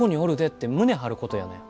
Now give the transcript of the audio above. って胸張ることやねん。